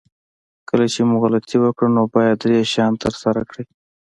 کله چې مو غلطي وکړه نو باید درې شیان ترسره کړئ.